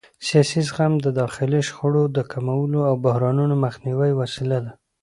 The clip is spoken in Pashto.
سیاسي زغم د داخلي شخړو د کمولو او بحرانونو د مخنیوي وسیله ده